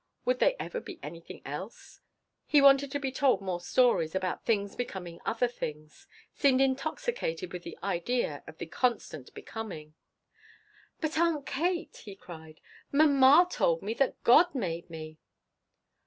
Would they ever be anything else? He wanted to be told more stories about things becoming other things, seemed intoxicated with that idea of the constant becoming. "But, Aunt Kate," he cried, "mama told me that God made me!"